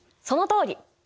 そのとおり！